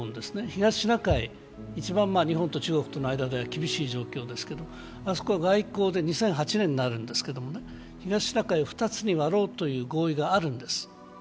東シナ海は一番、日本と中国の間で厳しい状況なんですけど、あそこは外交で２００８年になるんですけど東シナ海を２つに割ろうという合意があるんです。